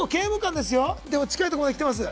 でも近いとこまで来てます。